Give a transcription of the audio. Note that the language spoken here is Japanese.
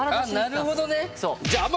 あっなるほどね。